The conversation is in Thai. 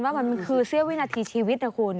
ว่ามันคือเสี้ยวินาทีชีวิตนะคุณ